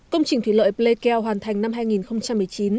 công trình thủy lợi pleikeo hoàn thành năm hai nghìn một mươi chín